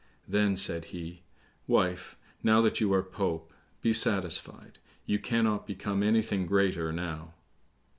Then said he, "Wife, now that you are Pope, be satisfied, you cannot become anything greater now."